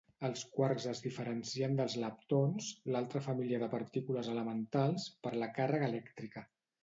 Els quarks es diferencien dels leptons, l'altra família de partícules elementals, per la càrrega elèctrica.